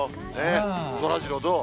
そらジロー、どう？